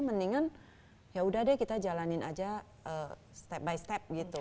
mendingan ya udah deh kita jalanin aja step by step gitu